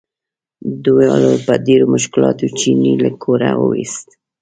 دواړو په ډېرو مشکلاتو چیني له کوره وویست.